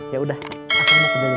yaudah aku masuk dulu